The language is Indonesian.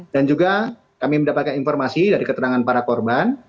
dan juga kami mendapatkan informasi dari ketenangan para korban